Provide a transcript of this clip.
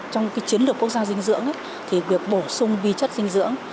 trong chiến lược quốc gia dinh dưỡng thì việc bổ sung vi chất dinh dưỡng